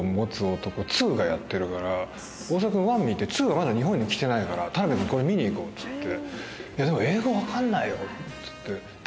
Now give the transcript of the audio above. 大沢君１見て「２がまだ日本にきてないから田辺君見に行こう」っつって。